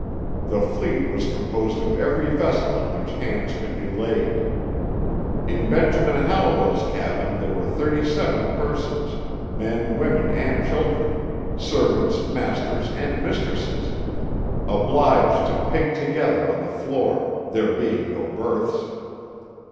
The fleet was composed of every vessel on which hands 'could be laid. In Benjamin Hallowell's cabin there were thirty seven persons men, women, and children; servants, masters, and mistresses obliged to pig together on the floor, there being no berths.'